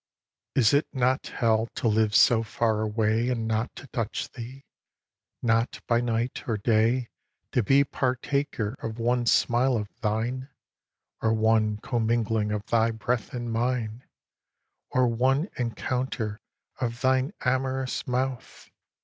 x. Is it not Hell to live so far away And not to touch thee, not by night or day To be partaker of one smile of thine, Or one commingling of thy breath and mine, Or one encounter of thine amorous mouth?